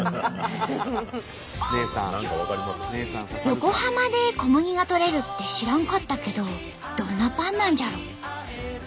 横浜で小麦がとれるって知らんかったけどどんなパンなんじゃろ？